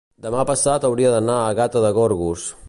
Demà passat hauria d'anar a Gata de Gorgos.